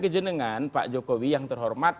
kejenengan pak jokowi yang terhormat